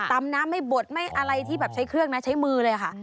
ตำน้ำไม่บดไม่อะไรที่แบบใช้เครื่องนะใช้มือเลยค่ะ